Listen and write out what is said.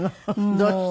どうして？